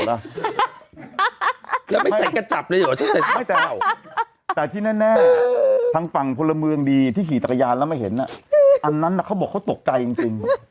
เนี่ยแน่ทั้งฝั่งพลเมืองดีที่ขี่ตัวยานแล้วไม่เห็นนะอันนั้นนะเขาบอกเขาตกใจจริงจริง